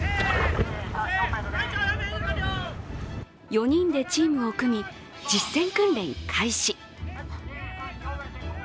４人でチームを組み、実践訓練開始。